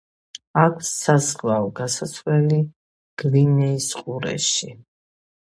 აქვს საზღვაო გასასვლელი გვინეის ყურეში.